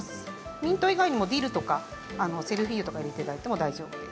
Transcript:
ミント以外にもディルやセルフィーユを入れていただいても大丈夫です。